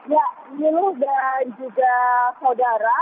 ya minu dan juga saudara